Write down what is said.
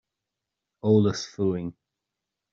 eolas fúinn